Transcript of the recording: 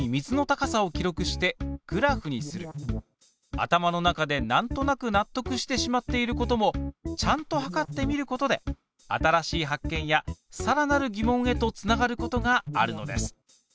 頭の中でなんとなく納得してしまっていることもちゃんとはかってみることで新しい発見やさらなる疑問へとつながることがあるのです。